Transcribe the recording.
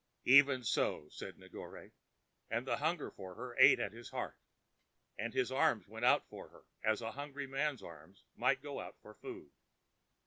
"Even so," said Negore, and the hunger for her ate at his heart, and his arms went out for her as a hungry man's arms might go out for food.